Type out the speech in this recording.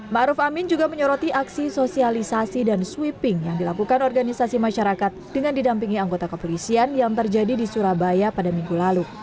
⁇ aruf amin juga menyoroti aksi sosialisasi dan sweeping yang dilakukan organisasi masyarakat dengan didampingi anggota kepolisian yang terjadi di surabaya pada minggu lalu